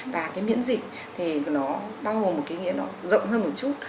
và cái miễn dịch thì nó bao gồm một cái nghĩa nó rộng hơn một chút